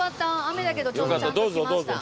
雨だけどちょうどちゃんと来ました。